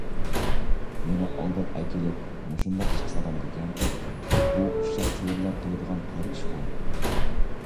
مېنى ئالداپ ئەكېلىپ مۇشۇنداق ئىشقا سالامدىكەن؟ بۇ ئۇششاق چۆرىلەر قىلىدىغان قارا ئىشقۇ!